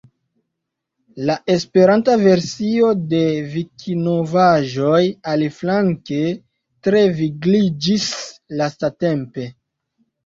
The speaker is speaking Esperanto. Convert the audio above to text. La Esperanta versio de Vikinovaĵoj aliflanke tre vigliĝis lastatampe.